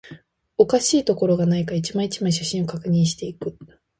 おかしいところがないか、一枚、一枚、写真を確認していく